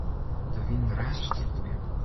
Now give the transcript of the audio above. De wyn raast troch de beammen.